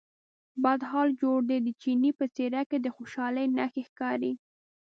بد حال جوړ دی، د چیني په څېره کې د خوشالۍ نښې ښکارې.